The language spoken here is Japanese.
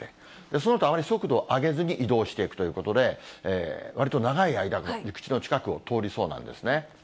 そのあと、あまり速度を上げずに移動していくということで、わりと長い間、陸地の近くを通りそうなんですね。